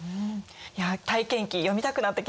体験記読みたくなってきました。